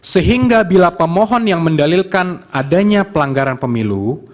sehingga bila pemohon yang mendalilkan adanya pelanggaran pemilu